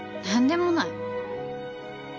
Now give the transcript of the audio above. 何でもない。